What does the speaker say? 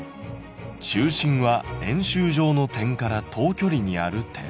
「中心は円周上の点から等距離にある点」。